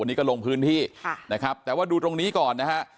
วันนี้ก็ลงพื้นที่นะครับแต่ว่าดูตรงนี้ก่อนนะฮะ